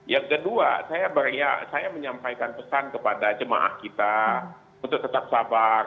yang kedua saya menyampaikan pesan kepada jemaah kita untuk tetap sabar